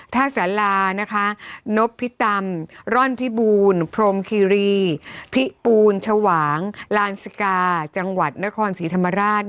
สารานะคะนพิตำร่อนพิบูรณ์พรมคีรีพิปูนชวางลานสกาจังหวัดนครศรีธรรมราช